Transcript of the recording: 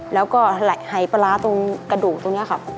แล้วก็หายปลาร้าตรงกระดูกตรงนี้ครับ